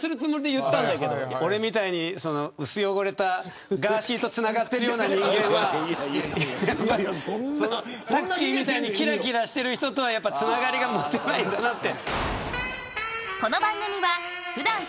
おまえみたいに薄汚れたガーシーとつながってるような人間はタッキーみたいにきらきらしている人とはつながりが持てないんだなと。